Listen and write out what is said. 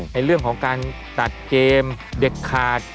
ในเรื่องของการตัดเกมเด็ดขาด